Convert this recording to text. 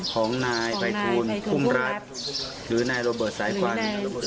ของนายใบทุนคุมรัฐหรือนายโรเบิร์ตสายควัน